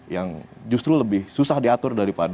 yang justru lebih susah diatur daripada